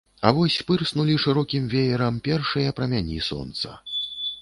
А вось пырснулі шырокім веерам першыя праменні сонца.